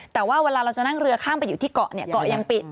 แต่ว่าเวลาเราจะนั่งเรือข้ามไปอยู่ที่เกาะเนี่ยเกาะยังปิด